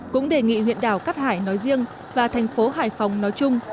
cũng đề nghị huyện đảo cát hải nói riêng và thành phố hải phòng nói chung